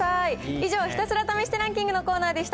以上、ひたすら試してランキングのコーナーでした。